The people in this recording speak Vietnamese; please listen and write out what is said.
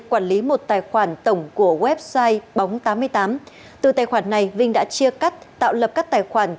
quản lý một tài khoản tổng của website bóng tám mươi tám từ tài khoản này vinh đã chia cắt tạo lập các tài khoản cấp đại lý